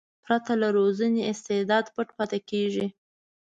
پرته له روزنې استعداد پټ پاتې کېږي.